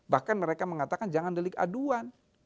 bahkan mereka mengatakan jangan delik aduan